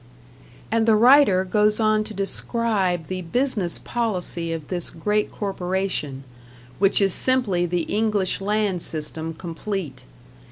And the writer goes on to describe the business policy of this great corporation, which is simply the English land system complete.